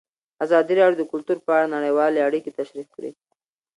ازادي راډیو د کلتور په اړه نړیوالې اړیکې تشریح کړي.